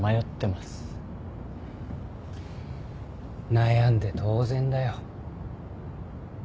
悩んで当然だよ。